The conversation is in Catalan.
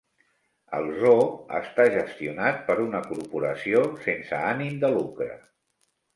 El Zoo està gestionat per una corporació sense ànim de lucre.